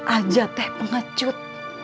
ajah teh pengecut